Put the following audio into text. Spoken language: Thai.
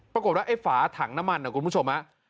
ปรากฏว่าไอ้ฝาถังน้ำมันนะคุณผู้ชม